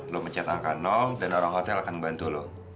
lo mencet angka dan orang hotel akan bantu lo